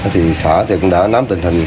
thì xã thì cũng đã nắm tình hình